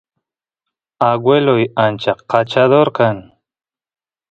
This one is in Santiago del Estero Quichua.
agueloy ancha kachador kan